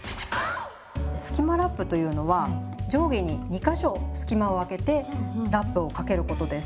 「スキマラップ」というのは上下に２か所スキマをあけてラップをかけることです。